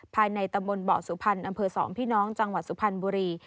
ภายในตำบลเบาะสุพรรณอำเภอ๒พี่น้องจังหวัดสุพรรณบุรี